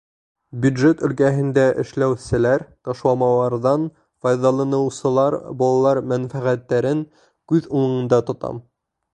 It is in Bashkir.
Бюджет өлкәһендә эшләүселәр, ташламаларҙан файҙаланыусылар, балалар мәнфәғәттәрен күҙ уңында тотам.